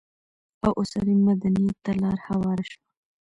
او اوسني مدنيت ته لار هواره شوه؛